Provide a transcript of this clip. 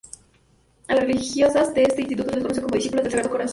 A las religiosas de este instituto se les conoce como discípulas del Sagrado Corazón.